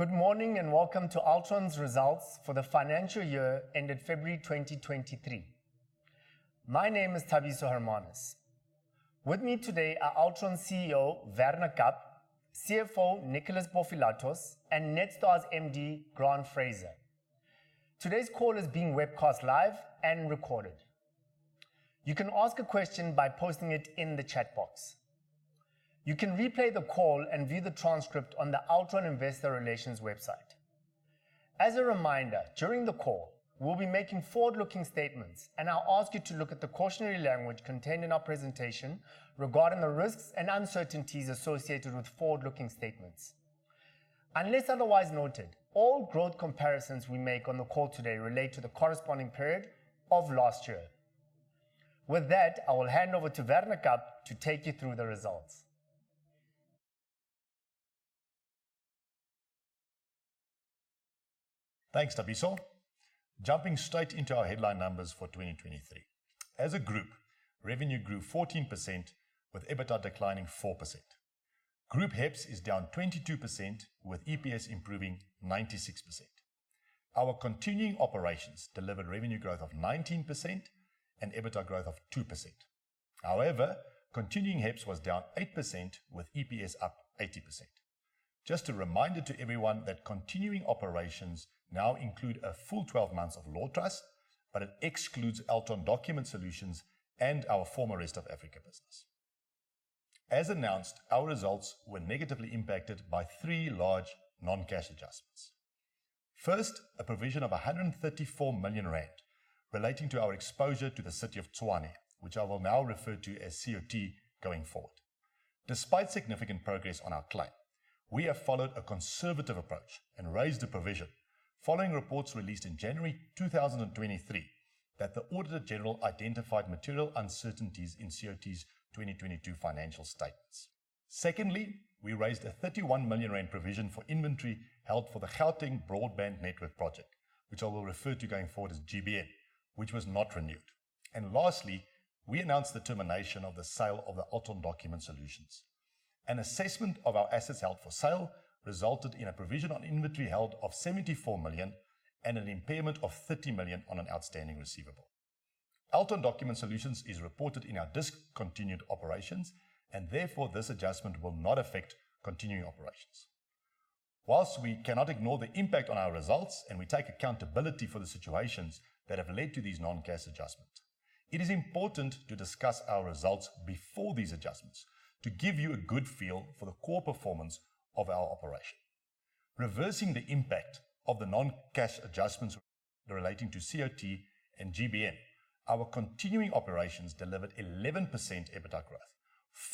Good morning and welcome to Altron's results for the financial year ended February 2023. My name is Thabiso Hermanus. With me today are Altron CEO, Werner Kapp, CFO, Nicholas Bofilatos, and Netstar's MD, Grant Fraser. Today's call is being webcast live and recorded. You can ask a question by posting it in the chat box. You can replay the call and view the transcript on the Altron Investor Relations website. As a reminder, during the call, we'll be making forward-looking statements, and I'll ask you to look at the cautionary language contained in our presentation regarding the risks and uncertainties associated with forward-looking statements. Unless otherwise noted, all growth comparisons we make on the call today relate to the corresponding period of last year. With that, I will hand over to Werner Kapp to take you through the results. Thanks, Thabiso. Jumping straight into our headline numbers for 2023. As a group, revenue grew 14% with EBITDA declining 4%. Group HEPS is down 22% with EPS improving 96%. Our continuing operations delivered revenue growth of 19% and EBITDA growth of 2%. Continuing HEPS was down 8% with EPS up 80%. Just a reminder to everyone that continuing operations now include a full 12 months of LawTrust, but it excludes Altron Document Solutions and our former Rest of Africa business. As announced, our results were negatively impacted by three large non-cash adjustments. First, a provision of 134 million rand relating to our exposure to the City of Tshwane, which I will now refer to as COT going forward. Despite significant progress on our claim, we have followed a conservative approach and raised a provision following reports released in January 2023 that the Auditor-General identified material uncertainties in COT's 2022 financial statements. Secondly, we raised a 31 million rand provision for inventory held for the Gauteng Broadband Network project, which I will refer to going forward as GBN, which was not renewed. Lastly, we announced the termination of the sale of the Altron Document Solutions. An assessment of our assets held for sale resulted in a provision on inventory held of 74 million and an impairment of 30 million on an outstanding receivable. Altron Document Solutions is reported in our discontinued operations, and therefore, this adjustment will not affect continuing operations. Whilst we cannot ignore the impact on our results and we take accountability for the situations that have led to these non-cash adjustments, it is important to discuss our results before these adjustments to give you a good feel for the core performance of our operation. Reversing the impact of the non-cash adjustments relating to COT and GBN, our continuing operations delivered 11% EBITDA growth,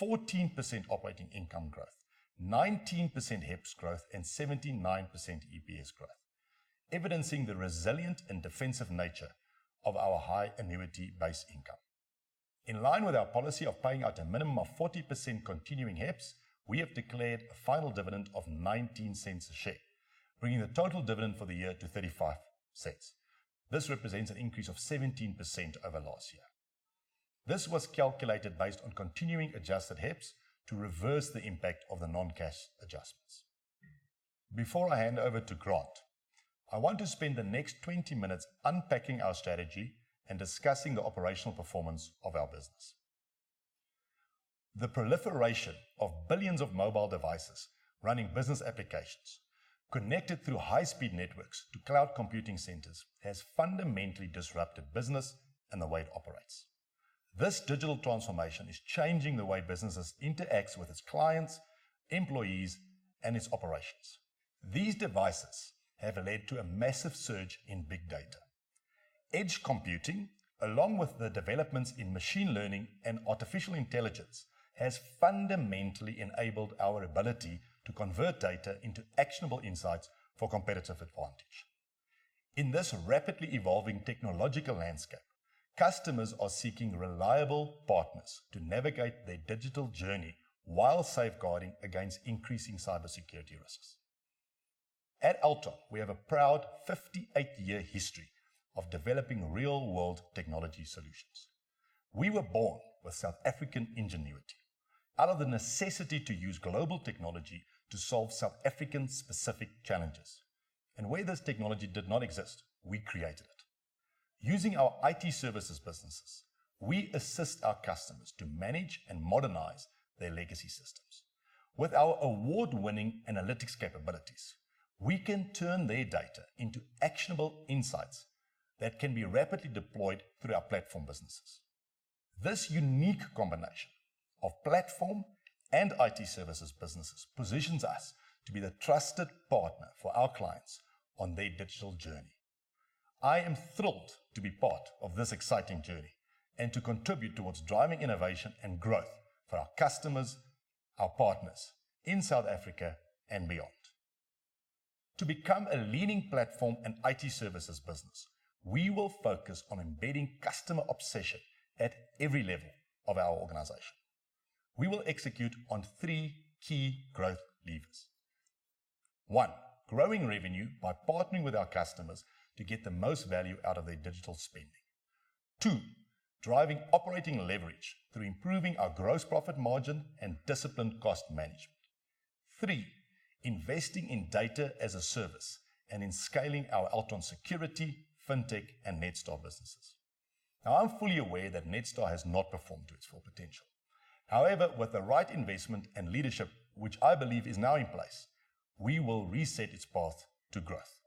14% operating income growth, 19% HEPS growth, and 79% EPS growth, evidencing the resilient and defensive nature of our high annuity base income. In line with our policy of paying out a minimum of 40% continuing HEPS, we have declared a final dividend of 0.19 a share, bringing the total dividend for the year to 0.35. This represents an increase of 17% over last year. This was calculated based on continuing adjusted HEPS to reverse the impact of the non-cash adjustments. Before I hand over to Grant, I want to spend the next 20 minutes unpacking our strategy and discussing the operational performance of our business. The proliferation of billions of mobile devices running business applications connected through high-speed networks to cloud computing centers has fundamentally disrupted business and the way it operates. This digital transformation is changing the way businesses interacts with its clients, employees, and its operations. These devices have led to a massive surge in big data. Edge computing, along with the developments in machine learning and artificial intelligence, has fundamentally enabled our ability to convert data into actionable insights for competitive advantage. In this rapidly evolving technological landscape, customers are seeking reliable partners to navigate their digital journey while safeguarding against increasing cybersecurity risks. At Altron, we have a proud 58-year history of developing real-world technology solutions. We were born with South African ingenuity out of the necessity to use global technology to solve South African-specific challenges. Where this technology did not exist, we created it. Using our IT services businesses, we assist our customers to manage and modernize their legacy systems. With our award-winning analytics capabilities, we can turn their data into actionable insights that can be rapidly deployed through our platform businesses. This unique combination of platform and IT services businesses positions us to be the trusted partner for our clients on their digital journey. I am thrilled to be part of this exciting journey and to contribute towards driving innovation and growth for our customers, our partners in South Africa and beyond. To become a leading platform in IT services business, we will focus on embedding customer obsession at every level of our organization. We will execute on three key growth levers. One, growing revenue by partnering with our customers to get the most value out of their digital spend. Two, driving operating leverage through improving our gross profit margin and disciplined cost management. Three, investing in Data as a Service and in scaling our Altron Security, FinTech, and Netstar businesses. Now, I'm fully aware that Netstar has not performed to its full potential. However, with the right investment and leadership, which I believe is now in place, we will reset its path to growth.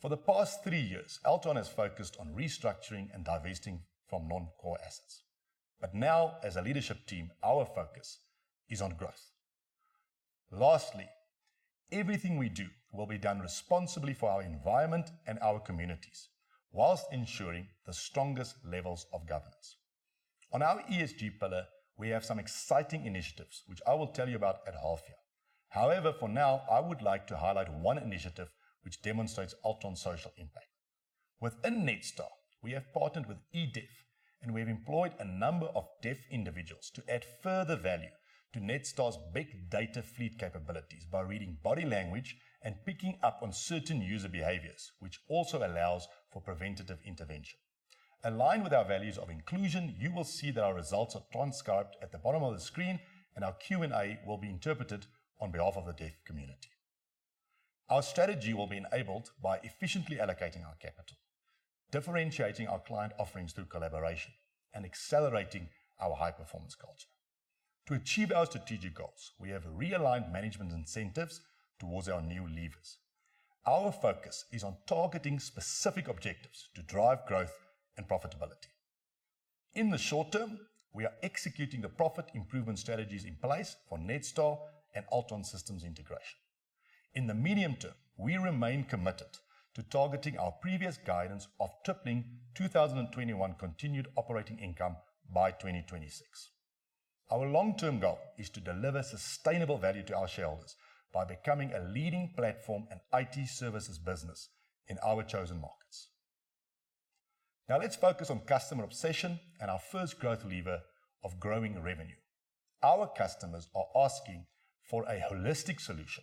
For the past three years, Altron has focused on restructuring and divesting from non-core assets. Now, as a leadership team, our focus is on growth. Lastly, everything we do will be done responsibly for our environment and our communities while ensuring the strongest levels of governance. On our ESG pillar, we have some exciting initiatives which I will tell you about at half year. For now, I would like to highlight one initiative which demonstrates Altron's social impact. Within Netstar, we have partnered with eDeaf, we've employed a number of deaf individuals to add further value to Netstar's big data fleet capabilities by reading body language and picking up on certain user behaviors, which also allows for preventative intervention. Aligned with our values of inclusion, you will see that our results are transcribed at the bottom of the screen, our Q&A will be interpreted on behalf of the deaf community. Our strategy will be enabled by efficiently allocating our capital, differentiating our client offerings through collaboration, and accelerating our high-performance culture. To achieve our strategic goals, we have realigned management incentives towards our new levers. Our focus is on targeting specific objectives to drive growth and profitability. In the short term, we are executing the profit improvement strategies in place for Netstar and Altron Systems Integration. In the medium term, we remain committed to targeting our previous guidance of tripling 2021 continued operating income by 2026. Our long-term goal is to deliver sustainable value to our shareholders by becoming a leading platform and IT services business in our chosen markets. Now let's focus on customer obsession and our first growth lever of growing revenue. Our customers are asking for a holistic solution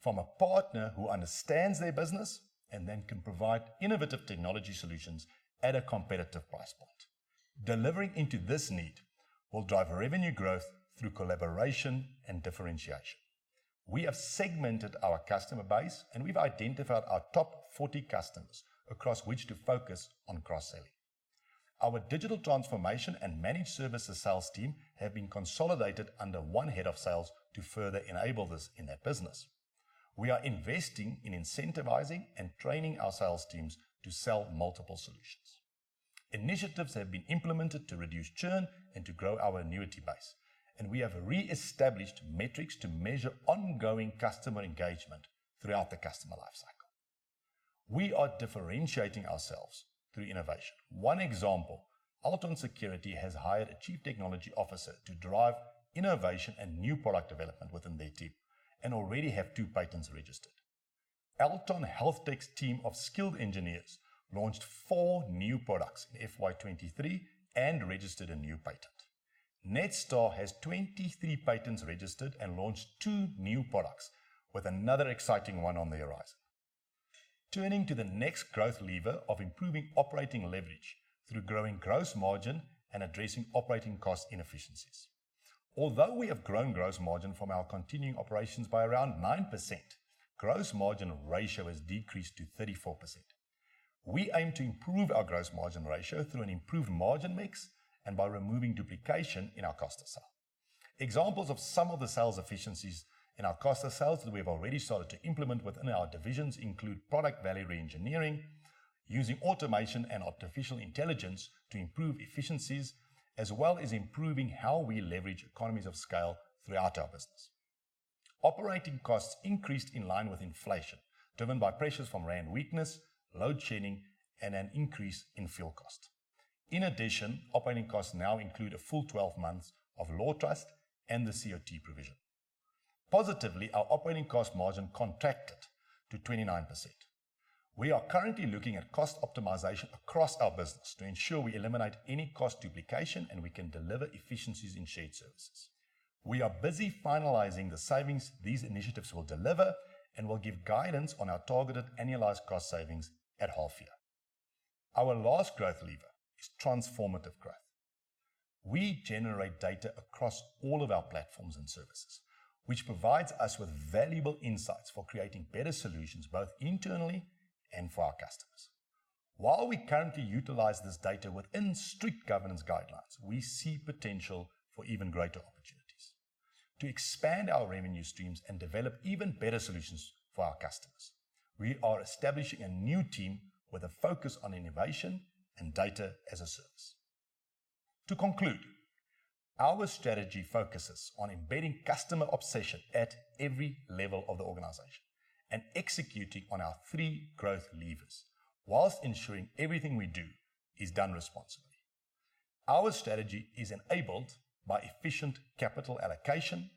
from a partner who understands their business and then can provide innovative technology solutions at a competitive price point. Delivering into this need will drive revenue growth through collaboration and differentiation. We have segmented our customer base. We've identified our top 40 customers across which to focus on cross-selling. Our digital transformation and managed services sales team have been consolidated under one head of sales to further enable this in their business. We are investing in incentivizing and training our sales teams to sell multiple solutions. Initiatives have been implemented to reduce churn and to grow our annuity base. We have reestablished metrics to measure ongoing customer engagement throughout the customer life cycle. We are differentiating ourselves through innovation. One example, Altron Security has hired a chief technology officer to drive innovation and new product development within their team and already have two patents registered. Altron HealthTech's team of skilled engineers launched four new products in FY23 and registered a new patent. Netstar has 23 patents registered and launched two new products with another exciting one on the horizon. Turning to the next growth lever of improving operating leverage through growing gross margin and addressing operating cost inefficiencies. Although we have grown gross margin from our continuing operations by around 9%, gross margin ratio has decreased to 34%. We aim to improve our gross margin ratio through an improved margin mix and by removing duplication in our cost to sell. Examples of some of the sales efficiencies in our cost to sell that we have already started to implement within our divisions include product value reengineering, using automation and artificial intelligence to improve efficiencies, as well as improving how we leverage economies of scale throughout our business. Operating costs increased in line with inflation, driven by pressures from rand weakness, load shedding, and an increase in fuel cost. In addition, operating costs now include a full 12 months of Lawtrust and the COT provision. Positively, our operating cost margin contracted to 29%. We are currently looking at cost optimization across our business to ensure we eliminate any cost duplication, and we can deliver efficiencies in shared services. We are busy finalizing the savings these initiatives will deliver and will give guidance on our targeted annualized cost savings at half year. Our last growth lever is transformative growth. We generate data across all of our platforms and services, which provides us with valuable insights for creating better solutions both internally and for our customers. While we currently utilize this data within strict governance guidelines, we see potential for even greater opportunities. To expand our revenue streams and develop even better solutions for our customers, we are establishing a new team with a focus on innovation and Data as a Service. To conclude, our strategy focuses on embedding customer obsession at every level of the organization and executing on our three growth levers whilst ensuring everything we do is done responsibly. Our strategy is enabled by efficient capital allocation,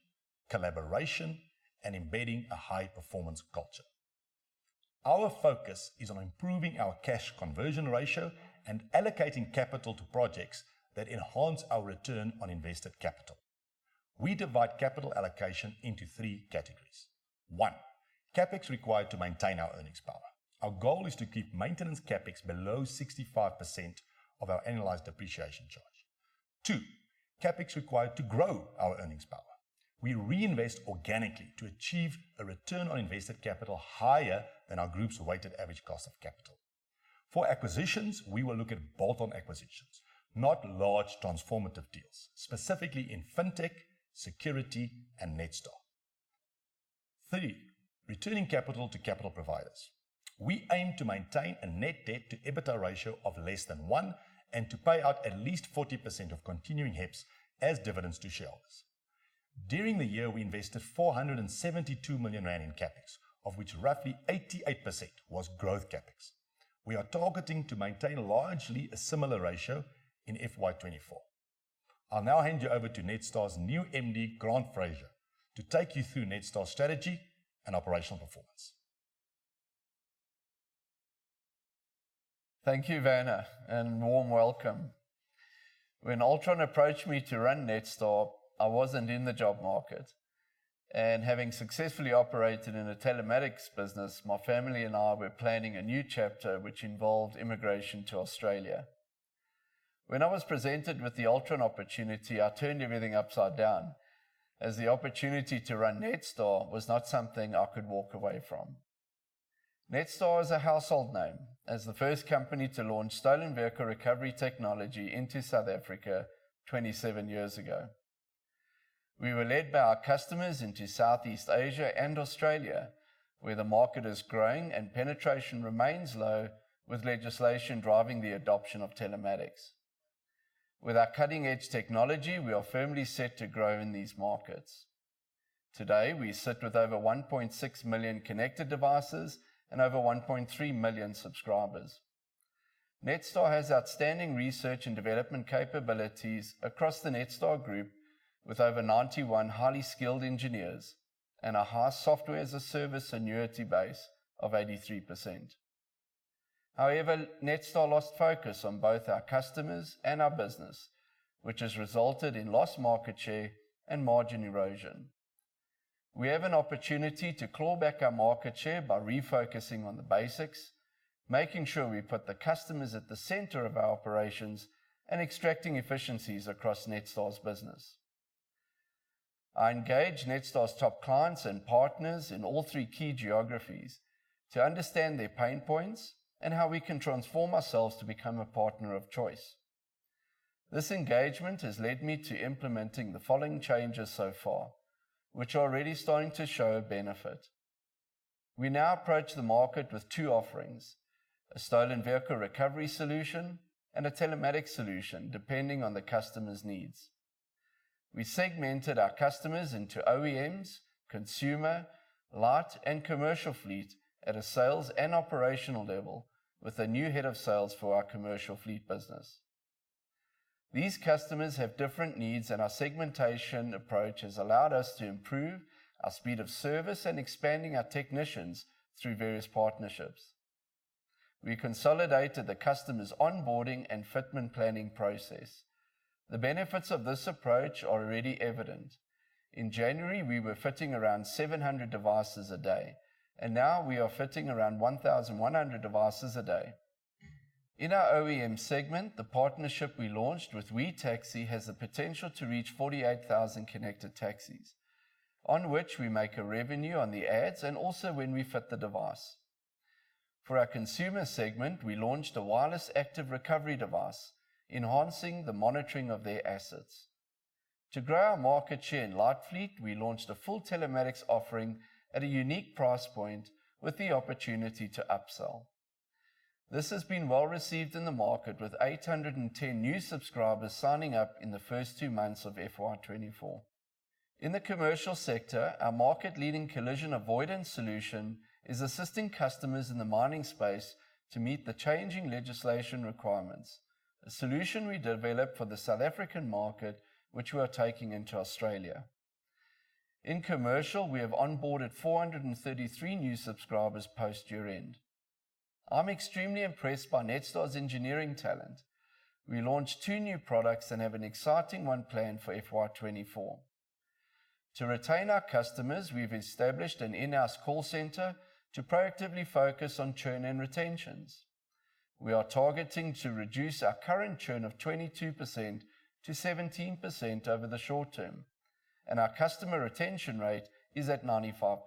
collaboration, and embedding a high-performance culture. Our focus is on improving our cash conversion ratio and allocating capital to projects that enhance our return on invested capital. We divide capital allocation into three categories. One, CapEx required to maintain our earnings power. Our goal is to keep maintenance CapEx below 65% of our annualized depreciation charge. Two, CapEx required to grow our earnings power. We reinvest organically to achieve a return on invested capital higher than our group's weighted average cost of capital. For acquisitions, we will look at bolt-on acquisitions, not large transformative deals, specifically in FinTech, security and Netstar. Three, returning capital to capital providers. We aim to maintain a Net Debt to EBITDA ratio of less than one and to pay out at least 40% of continuing EPS as dividends to shareholders. During the year, we invested 472 million rand in CapEx, of which roughly 88% was growth CapEx. We are targeting to maintain largely a similar ratio in FY24. I'll now hand you over to Netstar's new MD, Grant Fraser, to take you through Netstar's strategy and operational performance. Thank you, Werner. Warm welcome. When Altron approached me to run Netstar, I wasn't in the job market, and having successfully operated in the telematics business, my family and I were planning a new chapter which involved immigration to Australia. When I was presented with the Altron opportunity, I turned everything upside down as the opportunity to run Netstar was not something I could walk away from. Netstar is a household name as the first company to launch stolen vehicle recovery technology into South Africa 27 years ago. We were led by our customers into Southeast Asia and Australia, where the market is growing and penetration remains low, with legislation driving the adoption of telematics. With our cutting-edge technology, we are firmly set to grow in these markets. Today, we sit with over 1.6 million connected devices and over 1.3 million subscribers. Netstar has outstanding research and development capabilities across the Netstar group with over 91 highly skilled engineers and a high software-as-a-service annuity base of 83%. Netstar lost focus on both our customers and our business, which has resulted in lost market share and margin erosion. We have an opportunity to claw back our market share by refocusing on the basics, making sure we put the customers at the center of our operations and extracting efficiencies across Netstar's business. I engaged Netstar's top clients and partners in all three key geographies to understand their pain points and how we can transform ourselves to become a partner of choice. This engagement has led me to implementing the following changes so far, which are already starting to show a benefit. We now approach the market with two offerings, a stolen vehicle recovery solution and a telematics solution, depending on the customer's needs. We segmented our customers into OEMs, consumer, light, and commercial fleet at a sales and operational level with a new head of sales for our commercial fleet business. These customers have different needs, and our segmentation approach has allowed us to improve our speed of service and expanding our technicians through various partnerships. We consolidated the customer's onboarding and fitment planning process. The benefits of this approach are already evident. In January, we were fitting around 700 devices a day. Now we are fitting around 1,100 devices a day. In our OEM segment, the partnership we launched with WiTaxi has the potential to reach 48,000 connected taxis on which we make a revenue on the ads and also when we fit the device. For our consumer segment, we launched a wireless active recovery device, enhancing the monitoring of their assets. To grow our market share in light fleet, we launched a full telematics offering at a unique price point with the opportunity to upsell. This has been well received in the market, with 810 new subscribers signing up in the first two months of FY24. In the commercial sector, our market leading collision avoidance solution is assisting customers in the mining space to meet the changing legislation requirements. A solution we developed for the South African market, which we are taking into Australia. In commercial, we have onboarded 433 new subscribers post year-end. I'm extremely impressed by Netstar's engineering talent. We launched two new products and have an exciting one planned for FY24. To retain our customers, we've established an in-house call center to proactively focus on churn and retentions. We are targeting to reduce our current churn of 22%-17% over the short term, and our customer retention rate is at 95%.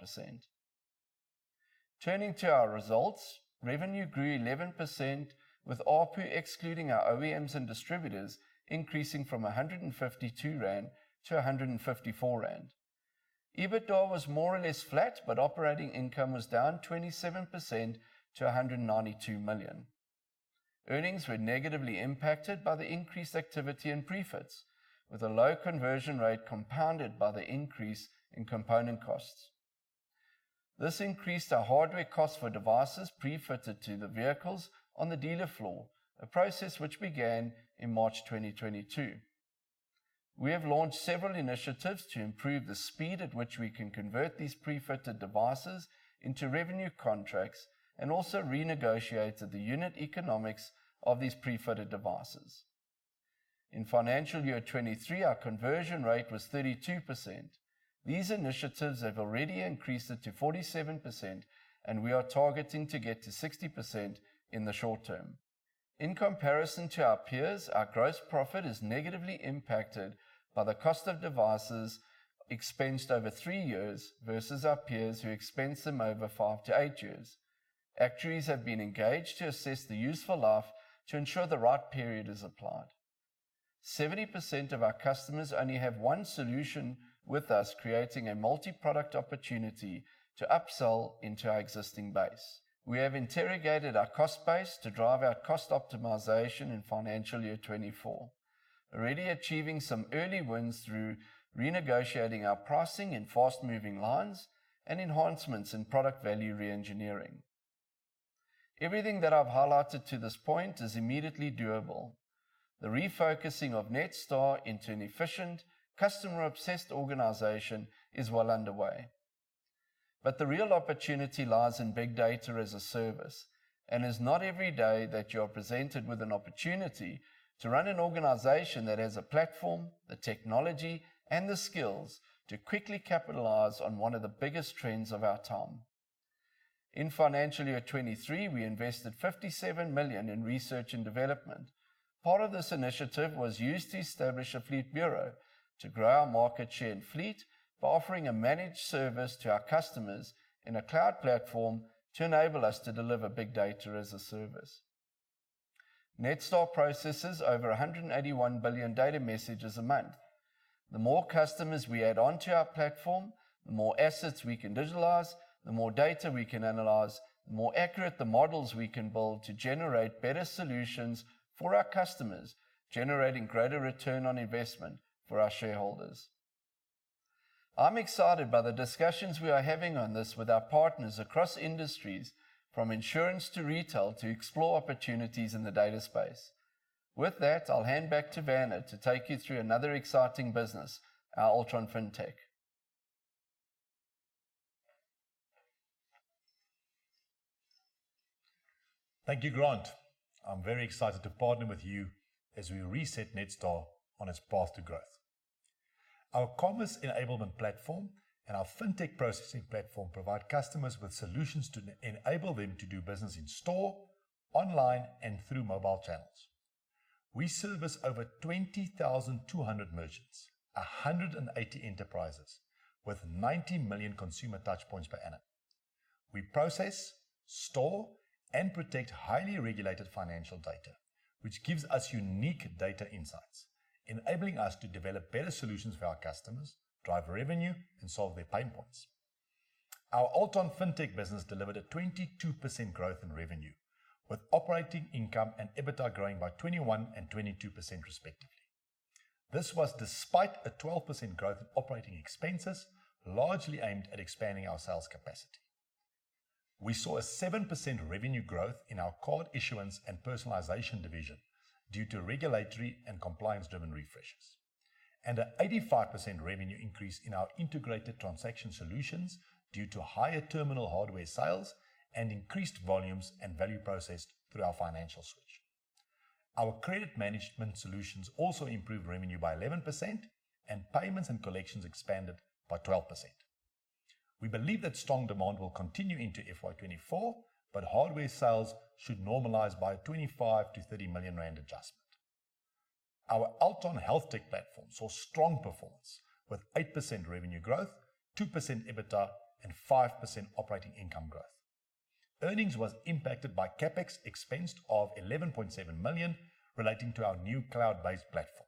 Turning to our results, revenue grew 11% with ARPU excluding our OEMs and distributors, increasing from 150-154 rand. EBITDA was more or less flat, but operating income was down 27% to 192 million. Earnings were negatively impacted by the increased activity in prefits, with a low conversion rate compounded by the increase in component costs. This increased our hardware cost for devices prefitted to the vehicles on the dealer floor, a process which began in March 2022. We have launched several initiatives to improve the speed at which we can convert these prefitted devices into revenue contracts and also renegotiated the unit economics of these prefitted devices. In FY23, our conversion rate was 32%. These initiatives have already increased it to 47%, and we are targeting to get to 60% in the short term. In comparison to our peers, our gross profit is negatively impacted by the cost of devices expensed over three years versus our peers who expense them over five-eight years. Actuaries have been engaged to assess the useful life to ensure the right period is applied. 70% of our customers only have one solution with us, creating a multi-product opportunity to upsell into our existing base. We have interrogated our cost base to drive our cost optimization in FY24, already achieving some early wins through renegotiating our pricing in fast-moving lines and enhancements in product value reengineering. Everything that I've highlighted to this point is immediately doable. The refocusing of Netstar into an efficient, customer-obsessed organization is well underway. The real opportunity lies in Big Data as a Service, and it's not every day that you are presented with an opportunity to run an organization that has a platform, the technology, and the skills to quickly capitalize on one of the biggest trends of our time. In FY23, we invested 57 million in research and development. Part of this initiative was used to establish a fleet bureau to grow our market share in fleet by offering a managed service to our customers in a cloud platform to enable us to deliver Big Data as a Service. Netstar processes over 181 billion data messages a month. The more customers we add onto our platform, the more assets we can digitalize, the more data we can analyze, the more accurate the models we can build to generate better solutions for our customers, generating greater return on investment for our shareholders. I'm excited by the discussions we are having on this with our partners across industries, from insurance to retail, to explore opportunities in the data space. With that, I'll hand back to Werner to take you through another exciting business, our Altron FinTech. Thank you, Grant. I'm very excited to partner with you as we reset Netstar on its path to growth. Our commerce enablement platform and our fintech processing platform provide customers with solutions to enable them to do business in store, online, and through mobile channels. We service over 20,200 merchants, 180 enterprises with 90 million consumer touchpoints per annum. We process, store, and protect highly regulated financial data, which gives us unique data insights, enabling us to develop better solutions for our customers, drive revenue, and solve their pain points. Our Altron FinTech business delivered a 22% growth in revenue, with operating income and EBITDA growing by 21% and 22% respectively. This was despite a 12% growth in operating expenses, largely aimed at expanding our sales capacity. We saw a 7% revenue growth in our card issuance and personalization division due to regulatory and compliance-driven refreshes. A 85% revenue increase in our integrated transaction solutions due to higher terminal hardware sales and increased volumes and value processed through our financial switch. Our credit management solutions also improved revenue by 11%. Payments and collections expanded by 12%. We believe that strong demand will continue into FY24, but hardware sales should normalize by a 25 million-30 million rand adjustment. Our Altron HealthTech platform saw strong performance with 8% revenue growth, 2% EBITDA, and 5% operating income growth. Earnings was impacted by CapEx expense of 11.7 million relating to our new cloud-based platform.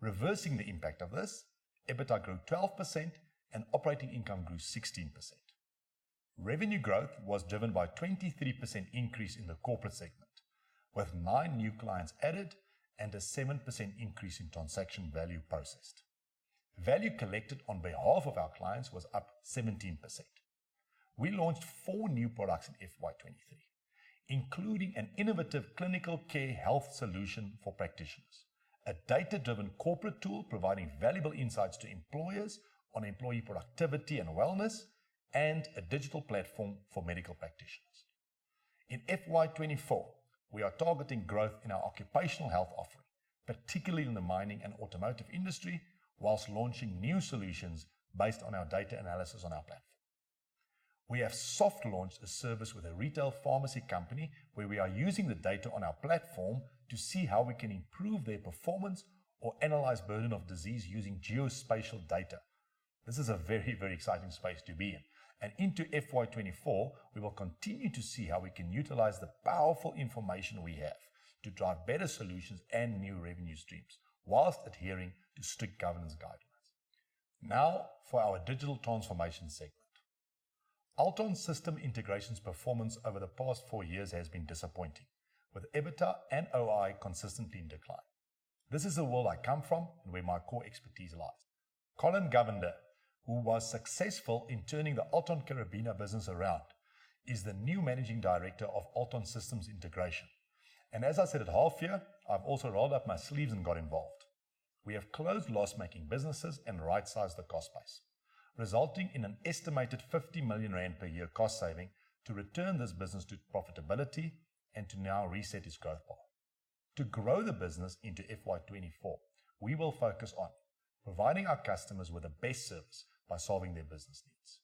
Reversing the impact of this, EBITDA grew 12% and operating income grew 16%. Revenue growth was driven by a 23% increase in the corporate segment, with nine new clients added and a 7% increase in transaction value processed. Value collected on behalf of our clients was up 17%. We launched four new products in FY23, including an innovative clinical care health solution for practitioners, a data-driven corporate tool providing valuable insights to employers on employee productivity and wellness, and a digital platform for medical practitioners. In FY24, we are targeting growth in our occupational health offering, particularly in the mining and automotive industry, whilst launching new solutions based on our data analysis on our platform. We have soft launched a service with a retail pharmacy company where we are using the data on our platform to see how we can improve their performance or analyze burden of disease using geospatial data. This is a very, very exciting space to be in. Into FY24, we will continue to see how we can utilize the powerful information we have to drive better solutions and new revenue streams while adhering to strict governance guidelines. Now for our digital transformation segment. Altron Systems Integration's performance over the past four years has been disappointing with EBITDA and OI consistently in decline. This is the world I come from and where my core expertise lies. Collin Govender, who was successful in turning the Altron Karabina business around, is the new Managing Director of Altron Systems Integration. As I said at half year, I've also rolled up my sleeves and got involved. We have closed loss-making businesses and right-sized the cost base, resulting in an estimated 50 million rand per year cost saving to return this business to profitability and to now reset its growth path. To grow the business into FY24, we will focus on providing our customers with the best service by solving their business needs.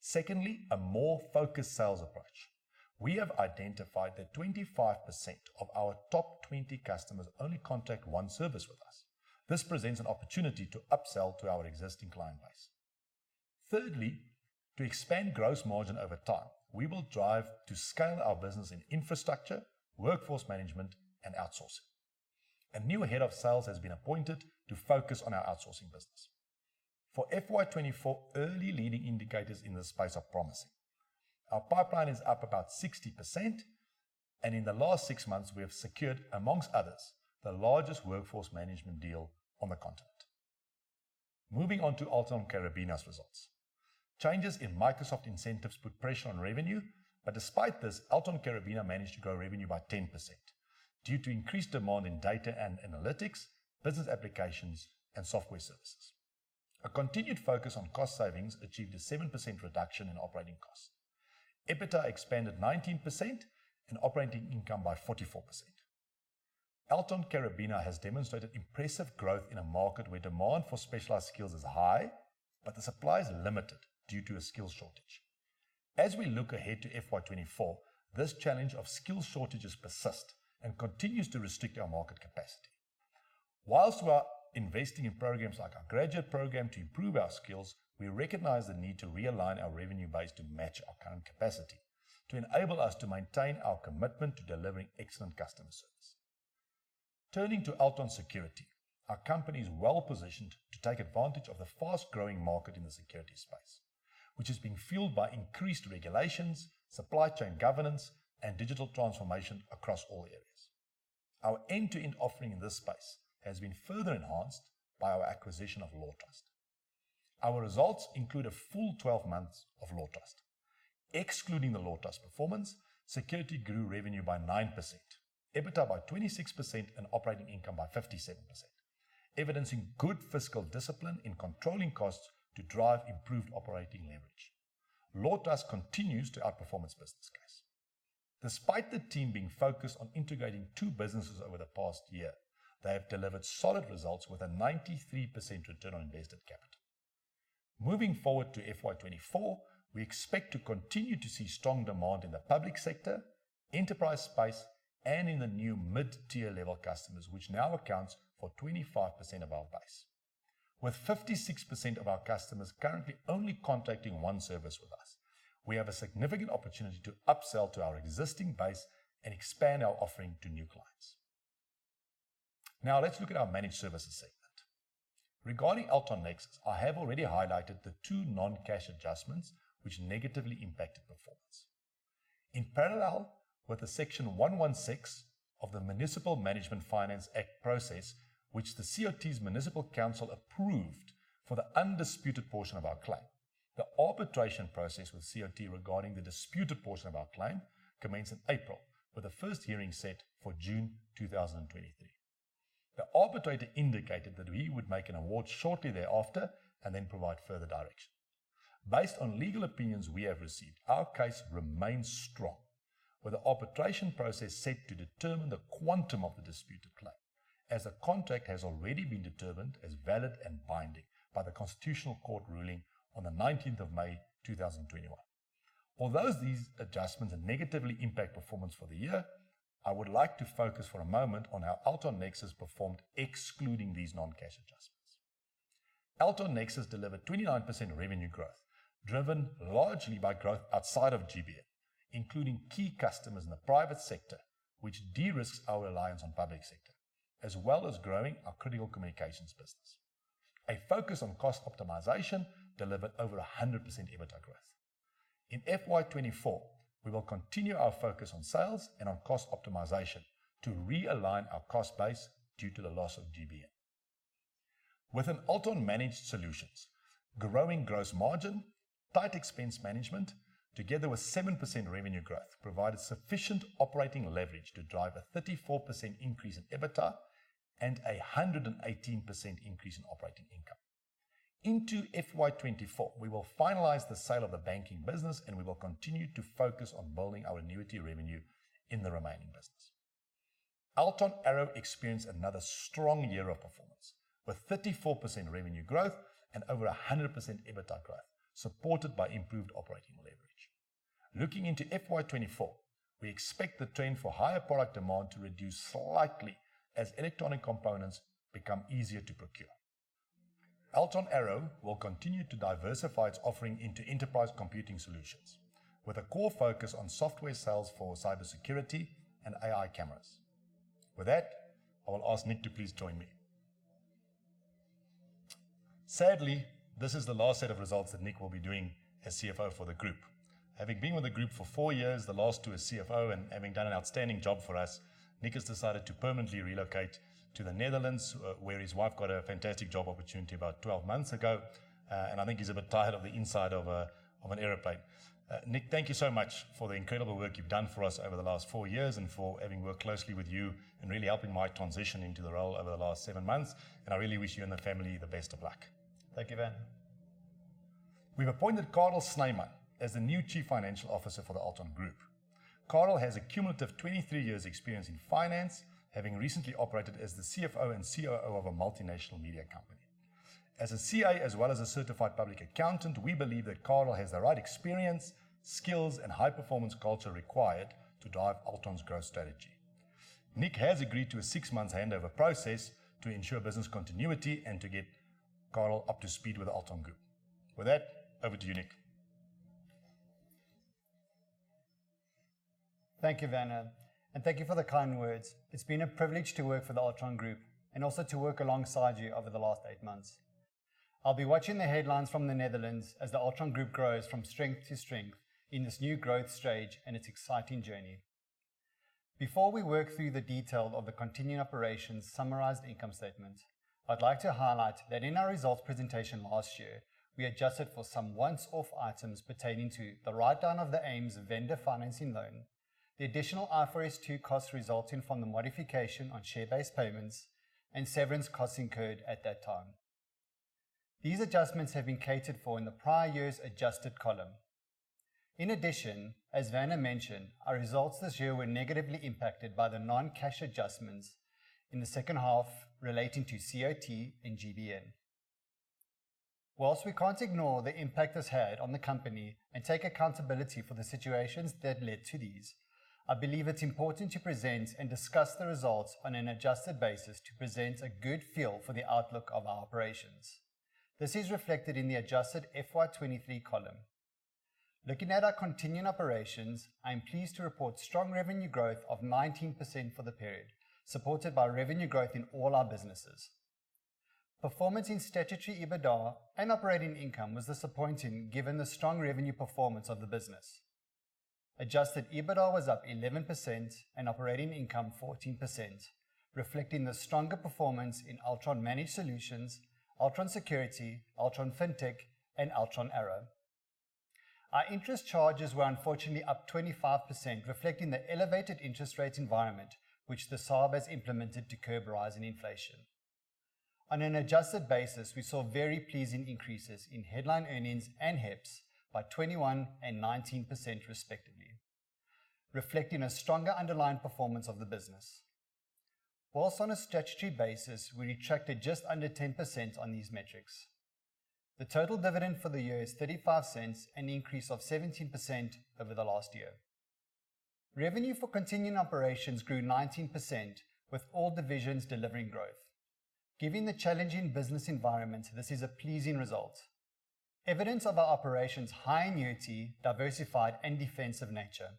Secondly, a more focused sales approach. We have identified that 25% of our top 20 customers only contact one service with us. This presents an opportunity to upsell to our existing client base. Thirdly, to expand gross margin over time, we will drive to scale our business in infrastructure, workforce management and outsourcing. A new head of sales has been appointed to focus on our outsourcing business. For FY24, early leading indicators in this space are promising. Our pipeline is up about 60% and in the last six months we have secured, amongst others, the largest workforce management deal on the continent. Moving on to Altron Karabina's results. Changes in Microsoft incentives put pressure on revenue. Despite this, Altron Karabina managed to grow revenue by 10% due to increased demand in data and analytics, business applications and software services. A continued focus on cost savings achieved a 7% reduction in operating costs. EBITDA expanded 19% and operating income by 44%. Altron Karabina has demonstrated impressive growth in a market where demand for specialized skills is high, but the supply is limited due to a skills shortage. As we look ahead to FY24, this challenge of skills shortages persist and continues to restrict our market capacity. While we are investing in programs like our graduate program to improve our skills, we recognize the need to realign our revenue base to match our current capacity to enable us to maintain our commitment to delivering excellent customer service. Turning to Altron Security. Our company is well-positioned to take advantage of the fast-growing market in the security space, which is being fueled by increased regulations, supply chain governance and digital transformation across all areas. Our end-to-end offering in this space has been further enhanced by our acquisition of Lawtrust. Our results include a full 12 months of Lawtrust. Excluding the Lawtrust performance, Security grew revenue by 9%, EBITDA by 26% and operating income by 57%, evidencing good fiscal discipline in controlling costs to drive improved operating leverage. Lawtrust continues to outperformance business case. Despite the team being focused on integrating two businesses over the past year, they have delivered solid results with a 93% return on invested capital. Moving forward to FY24, we expect to continue to see strong demand in the public sector, enterprise space and in the new mid-tier level customers, which now accounts for 25% of our base. With 56% of our customers currently only contacting one service with us, we have a significant opportunity to upsell to our existing base and expand our offering to new clients. Now let's look at our managed services segment. Regarding Altron Nexus, I have already highlighted the two non-cash adjustments which negatively impacted performance. In parallel with the Section 116 of the Municipal Finance Management Act process, which the COT's Municipal Council approved for the undisputed portion of our claim. The arbitration process with COT regarding the disputed portion of our claim commenced in April, with the first hearing set for June 2023. The arbitrator indicated that he would make an award shortly thereafter and then provide further direction. Based on legal opinions we have received, our case remains strong, with the arbitration process set to determine the quantum of the disputed claim, as the contract has already been determined as valid and binding by the Constitutional Court ruling on the 19th of May, 2021. Although these adjustments negatively impact performance for the year, I would like to focus for a moment on how Altron Nexus performed excluding these non-cash adjustments. Altron Nexus delivered 29% revenue growth, driven largely by growth outside of GBN, including key customers in the private sector, which de-risks our reliance on public sector, as well as growing our critical communications business. A focus on cost optimization delivered over 100% EBITDA growth. In FY24, we will continue our focus on sales and on cost optimization to realign our cost base due to the loss of GBN. Within Altron Managed Solutions, growing gross margin, tight expense management together with 7% revenue growth provided sufficient operating leverage to drive a 34% increase in EBITDA and a 118% increase in operating income. Into FY24, we will finalize the sale of the banking business, and we will continue to focus on building our annuity revenue in the remaining business. Altron Arrow experienced another strong year of performance with 34% revenue growth and over 100% EBITDA growth, supported by improved operating leverage. Looking into FY24, we expect the trend for higher product demand to reduce slightly as electronic components become easier to procure. Altron Arrow will continue to diversify its offering into enterprise computing solutions with a core focus on software sales for cybersecurity and AI cameras. With that, I will ask Nick to please join me. Sadly, this is the last set of results that Nick will be doing as CFO for the group. Having been with the group for four years, the last two as CFO and having done an outstanding job for us, Nick has decided to permanently relocate to the Netherlands, where his wife got a fantastic job opportunity about 12 months ago. I think he's a bit tired of the inside of an airplane. Nick, thank you so much for the incredible work you've done for us over the last four years and for having worked closely with you and really helping my transition into the role over the last seven months, and I really wish you and the family the best of luck. Thank you, Van. We've appointed Carel Snyman as the new Chief Financial Officer for the Altron Group. Carel has a cumulative 23 years' experience in finance, having recently operated as the CFO and COO of a multinational media company. As a CA as well as a certified public accountant, we believe that Carel has the right experience, skills, and high-performance culture required to drive Altron's growth strategy. Nick has agreed to a six-month handover process to ensure business continuity and to get Carel up to speed with Altron Group. With that, over to you, Nick. Thank you, Werner, and thank you for the kind words. It's been a privilege to work for the Altron Group and also to work alongside you over the last eight months. I'll be watching the headlines from the Netherlands as the Altron Group grows from strength to strength in this new growth stage and its exciting journey. Before we work through the detail of the continuing operations summarized income statement, I'd like to highlight that in our results presentation last year, we adjusted for some one-off items pertaining to the write-down of the AIMS vendor financing loan, the additional IFRS 2 costs resulting from the modification on share-based payments, and severance costs incurred at that time. These adjustments have been catered for in the prior year's adjusted column. In addition, as Werner mentioned, our results this year were negatively impacted by the non-cash adjustments in the second half relating to COT and GBN. Whilst we can't ignore the impact this had on the company and take accountability for the situations that led to these, I believe it's important to present and discuss the results on an adjusted basis to present a good feel for the outlook of our operations. This is reflected in the adjusted FY23 column. Looking at our continuing operations, I am pleased to report strong revenue growth of 19% for the period, supported by revenue growth in all our businesses. Performance in statutory EBITDA and operating income was disappointing given the strong revenue performance of the business. Adjusted EBITDA was up 11% and operating income 14%, reflecting the stronger performance in Altron Managed Solutions, Altron Security, Altron FinTech, and Altron Arrow. Our interest charges were unfortunately up 25%, reflecting the elevated interest rate environment which the SARB has implemented to curb rising inflation. On an adjusted basis, we saw very pleasing increases in headline earnings and HEPS by 21 and 19% respectively, reflecting a stronger underlying performance of the business. On a statutory basis, we retracted just under 10% on these metrics. The total dividend for the year is 0.35, an increase of 17% over the last year. Revenue for continuing operations grew 19% with all divisions delivering growth. Given the challenging business environment, this is a pleasing result. Evidence of our operations' high annuity, diversified, and defensive nature.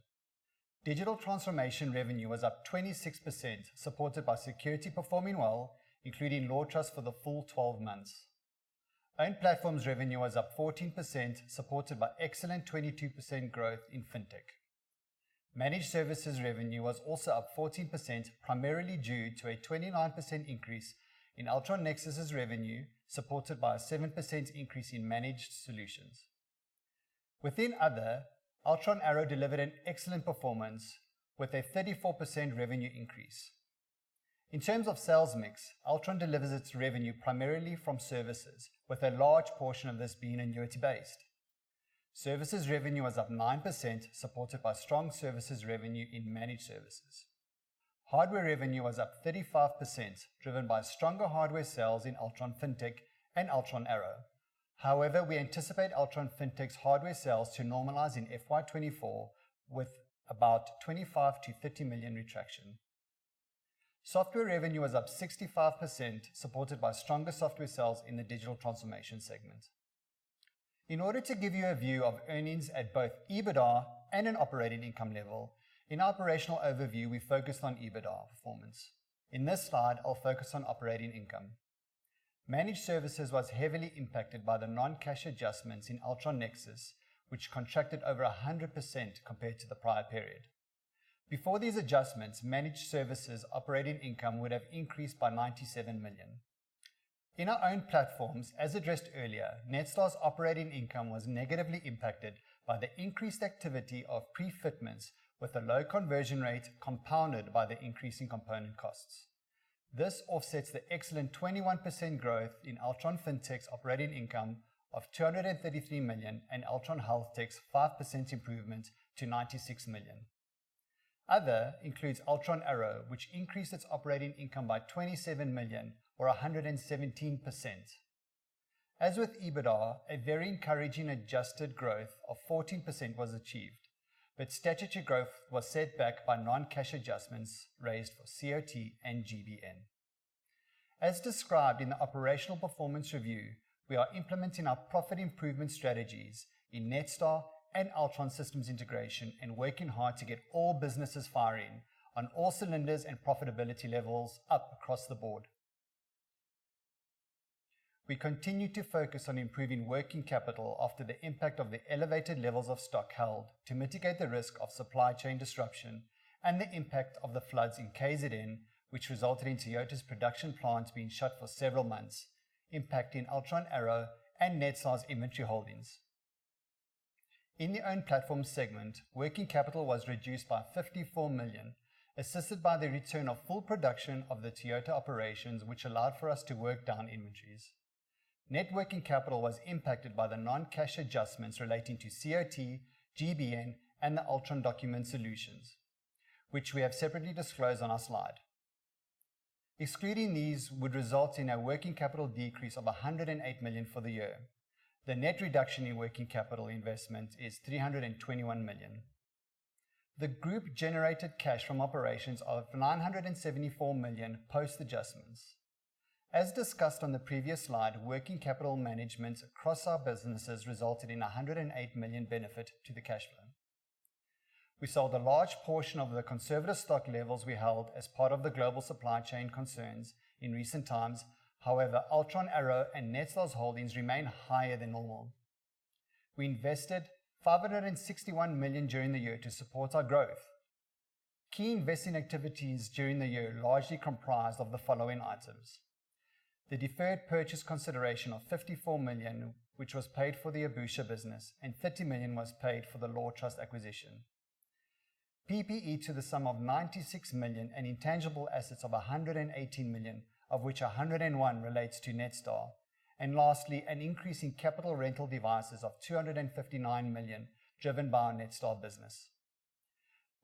Digital transformation revenue was up 26%, supported by security performing well, including Lawtrust for the full 12 months. Own platforms revenue was up 14%, supported by excellent 22% growth in FinTech. Managed services revenue was also up 14%, primarily due to a 29% increase in Altron Nexus's revenue, supported by a 7% increase in managed solutions. Within other, Altron Arrow delivered an excellent performance with a 34% revenue increase. In terms of sales mix, Altron delivers its revenue primarily from services, with a large portion of this being annuity-based. Services revenue was up 9%, supported by strong services revenue in managed services. Hardware revenue was up 35%, driven by stronger hardware sales in Altron FinTech and Altron Arrow. However, we anticipate Altron FinTech's hardware sales to normalize in FY24 with about 25 million-30 million retraction. Software revenue was up 65%, supported by stronger software sales in the digital transformation segment. In order to give you a view of earnings at both EBITDA and an operating income level, in our operational overview, we focused on EBITDA performance. In this slide, I'll focus on operating income. Managed services was heavily impacted by the non-cash adjustments in Altron Nexus, which contracted over 100% compared to the prior period. Before these adjustments, managed services operating income would have increased by 97 million. In our own platforms, as addressed earlier, Netstar's operating income was negatively impacted by the increased activity of prefitments with a low conversion rate compounded by the increasing component costs. This offsets the excellent 21% growth in Altron FinTech's operating income of 233 million and Altron HealthTech's 5% improvement to 96 million. Other includes Altron Arrow, which increased its operating income by 27 million, or 117%. As with EBITDA, a very encouraging adjusted growth of 14% was achieved, statutory growth was set back by non-cash adjustments raised for COT and GBN. As described in the operational performance review, we are implementing our profit improvement strategies in Netstar and Altron Systems Integration and working hard to get all businesses firing on all cylinders and profitability levels up across the board. We continue to focus on improving working capital after the impact of the elevated levels of stock held to mitigate the risk of supply chain disruption and the impact of the floods in KZN, which resulted in Toyota's production plants being shut for several months, impacting Altron Arrow and Netstar's inventory holdings. In the owned platform segment, working capital was reduced by 54 million assisted by the return of full production of the Toyota operations, which allowed for us to work down inventories. Net working capital was impacted by the non-cash adjustments relating to COT, GBN, and the Altron Document Solutions, which we have separately disclosed on our slide. Excluding these would result in a working capital decrease of 108 million for the year. The net reduction in working capital investment is 321 million. The group generated cash from operations of 974 million post-adjustments. As discussed on the previous slide, working capital management across our businesses resulted in a 108 million benefit to the cash flow. We sold a large portion of the conservative stock levels we held as part of the global supply chain concerns in recent times. Altron Arrow and Netstar's holdings remain higher than normal. We invested 561 million during the year to support our growth. Key investing activities during the year largely comprised of the following items: the deferred purchase consideration of 54 million, which was paid for the Ubusha business, and 30 million was paid for the Lawtrust acquisition. PPE to the sum of 96 million and intangible assets of 118 million, of which 101 million relates to Netstar. Lastly, an increase in capital rental devices of 259 million driven by our Netstar business.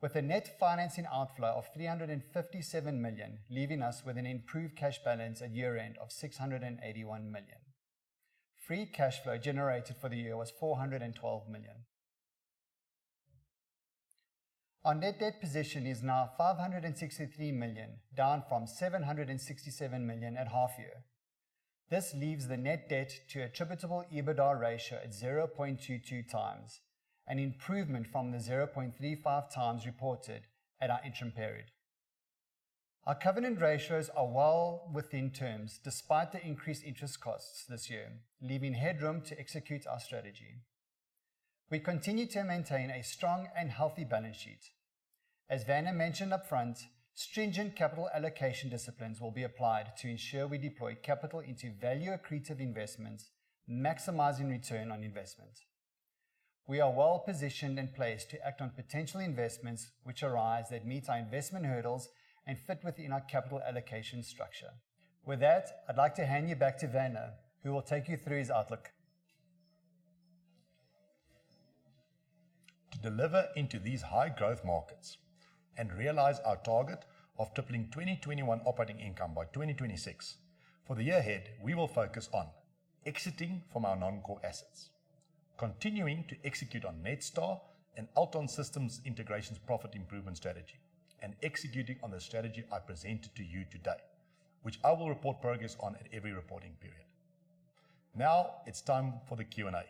With a net financing outflow of 357 million leaving us with an improved cash balance at year-end of 681 million. Free cash flow generated for the year was 412 million. Our net debt position is now 563 million, down from 767 million at half year. This leaves the Net Debt to attributable EBITDA ratio at 0.22x, an improvement from the 0.35x reported at our interim period. Our covenant ratios are well within terms despite the increased interest costs this year, leaving headroom to execute our strategy. We continue to maintain a strong and healthy balance sheet. As Werner mentioned upfront, stringent capital allocation disciplines will be applied to ensure we deploy capital into value accretive investments, maximizing Return on Investment. We are well-positioned and placed to act on potential investments which arise that meet our investment hurdles and fit within our capital allocation structure. With that, I'd like to hand you back to Werner, who will take you through his outlook. To deliver into these high growth markets and realize our target of tripling 2021 operating income by 2026, for the year ahead, we will focus on exiting from our non-core assets, continuing to execute on Netstar and Altron Systems Integration's profit improvement strategy, and executing on the strategy I presented to you today, which I will report progress on at every reporting period. Now it's time for the Q&A.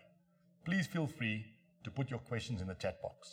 Please feel free to put your questions in the chat box.